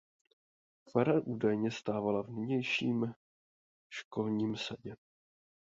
Fara údajně stávala v nynějším školním sadě.